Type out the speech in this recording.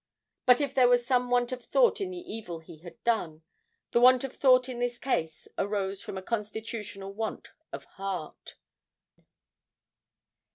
But if there was some want of thought in the evil he had done, the want of thought in this case arose from a constitutional want of heart.